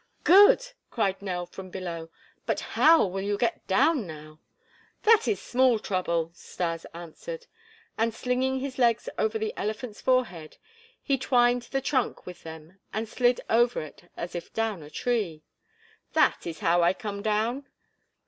"Good!" cried Nell from below, "but how will you get down now?" "That is small trouble," Stas answered. And slinging his legs over the elephant's forehead, he entwined the trunk with them and slid over it as if down a tree. "That is how I come down."